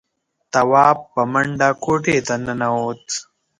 تواب په منډه کوټې ته ننوت.